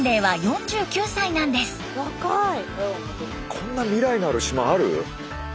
こんな未来のある島ある？